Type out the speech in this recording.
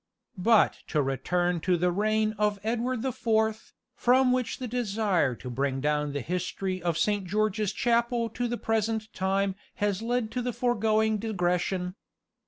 But to return to the reign of Edward the Fourth, from which the desire to bring down the history of Saint George's Chapel to the present time has led to the foregoing digression.